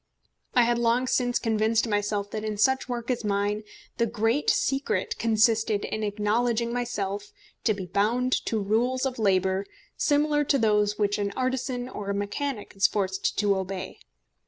I had long since convinced myself that in such work as mine the great secret consisted in acknowledging myself to be bound to rules of labour similar to those which an artisan or a mechanic is forced to obey.